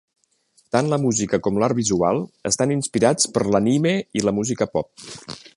Tant la música com l'art visual estan inspirats per l'anime i la música pop.